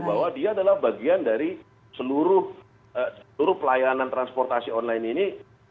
bahwa dia adalah bagian dari seluruh pelayanan transportasi online ini